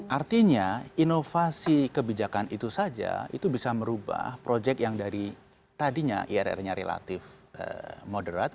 artinya inovasi kebijakan itu saja itu bisa merubah project yang dari tadinya irr nya relatif moderat